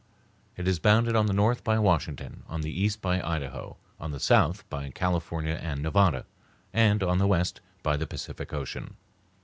It is bounded on the north by Washington, on the east by Idaho, on the south by California and Nevada, and on the west by the Pacific Ocean.